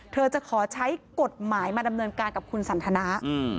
จะขอใช้กฎหมายมาดำเนินการกับคุณสันทนา